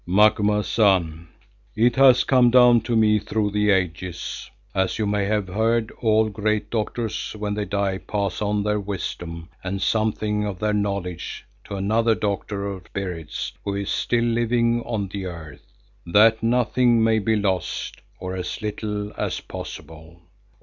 "Macumazahn, it has come down to me through the ages. As you may have heard, all great doctors when they die pass on their wisdom and something of their knowledge to another doctor of spirits who is still living on the earth, that nothing may be lost, or as little as possible.